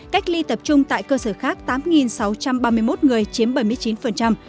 cách ly tập trung tại cơ sở khác tám sáu trăm ba mươi một người chiếm bảy mươi chín